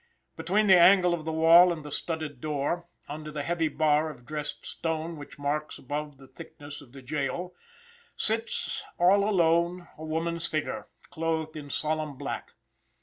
Between the angle of the wall and the studded door, under the heavy bar of dressed stone which marks above the thickness of the gaol, sits all alone a woman's figure, clothed in solemn black.